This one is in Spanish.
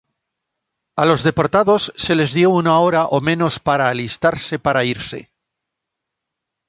A los deportados se les dio una hora o menos para alistarse para irse.